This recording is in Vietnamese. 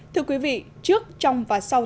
thưa quý vị trước trong và sau